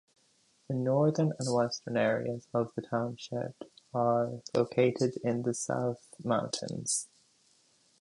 The northern and western areas of the township are located in the South Mountains.